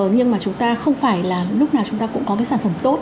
nhưng mà chúng ta không phải là lúc nào chúng ta cũng có cái sản phẩm tốt